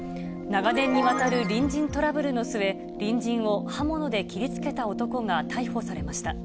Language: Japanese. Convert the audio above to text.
長年にわたる隣人トラブルの末、隣人を刃物で切りつけた男が逮捕されました。